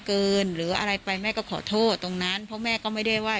หรืออะไรไปแม่ก็ขอโทษตรงนั้นเพราะแม่ก็ไม่ได้ว่า